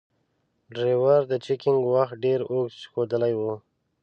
ډریور د چکینګ وخت ډیر اوږد ښودلای و.